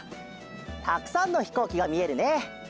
たくさんのひこうきがみえるね。